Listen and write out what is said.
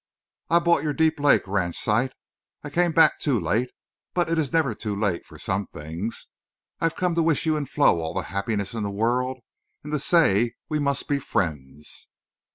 "I bought your Deep Lake ranch site. I came back too late.... But it is never too late for some things.... I've come to wish you and Flo all the happiness in the world—and to say we must be friends."